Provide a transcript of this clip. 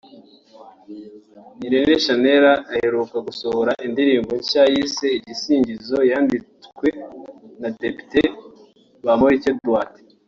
Nirere Shanel aheruka gusohora indirimbo nshya yise Igisingizo yanditswe na Depite Bamporiki Edouard